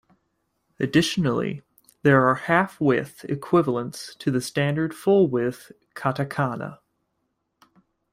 Additionally, there are halfwidth equivalents to the standard fullwidth katakana.